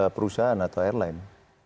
perusahaan atau airline